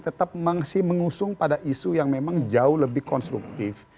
tetap mengusung pada isu yang memang jauh lebih konstruktif